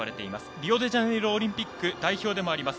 リオデジャネイロオリンピック代表でもあります